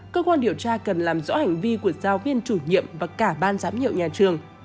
cơ quan điều tra cần làm rõ hành vi của giáo viên chủ nhiệm và cả ban giám hiệu nhà trường